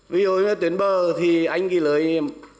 ví dụ như tuyển bờ thì anh ghi lời em